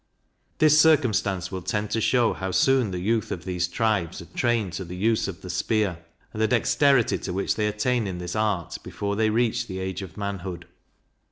This circumstance will tend to shew how soon the youth of these tribes are trained to the use of the spear, and the dexterity to which they attain in this art before they reach the age of manhood.